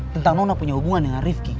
tentang nona punya hubungan dengan rifki